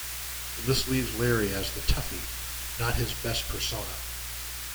This leaves Larry as the toughie - not his best persona.